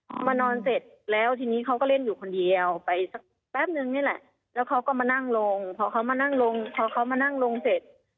พอมานอนเสร็จแล้วทีนี้เขาก็เล่นอยู่คนเดียวไปสักแป๊บนึงนี่แหละแล้วเขาก็มานั่งลงพอเขามานั่งลงพอเขามานั่งลงเสร็จ